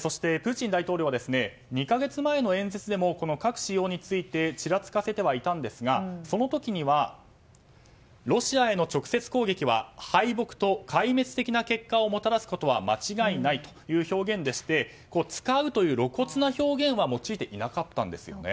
そして、プーチン大統領は２か月前の演説でも核使用につきちらつかせていたんですがその時にはロシアへの直接攻撃は敗北と壊滅的な結果をもたらすことは間違いないという表現でして使うという露骨な表現は用いていなかったんですよね。